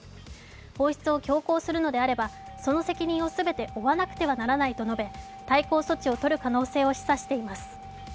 放出を強行するのであればその責任をすべて負わなくてはならないと述べ対抗措置をとる可能性を示唆しています。